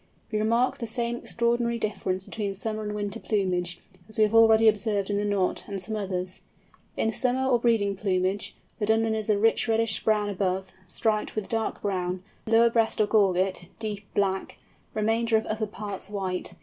We remark the same extraordinary difference between summer and winter plumage, as we have already observed in the Knot and some others. In summer or breeding plumage, the Dunlin is rich reddish brown above, striped with dark brown; lower breast or gorget, deep black; remainder of under parts white.